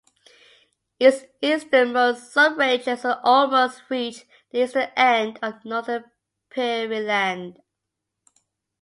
Its easternmost subranges almost reach the eastern end of northern Peary Land.